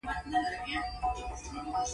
ما ورته وویل: ډېر ښه، ستا خوښه ده، که نه؟